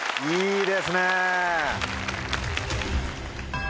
いいですね。